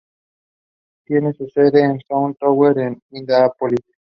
Tiene su sede en el South Tower en Indianápolis.